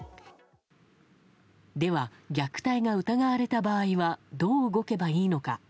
では、虐待が疑われた場合はどう動けばいいのか。